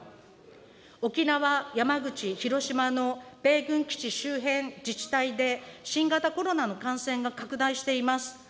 沖縄、山口、広島の米軍基地周辺自治体で、新型コロナの感染が拡大しています。